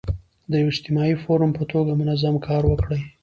د یو اجتماعي فورم په توګه منظم کار وکړي.